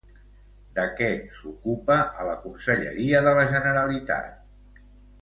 De què s'ocupa a la Conselleria de la Generalitat?